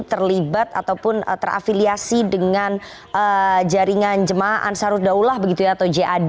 terlibat ataupun terafiliasi dengan jaringan jemaah ansaruddaullah atau jad